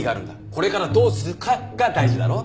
これからどうするかが大事だろ？